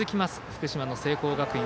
福島の聖光学院。